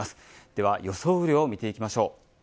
では、予想雨量を見ていきましょう。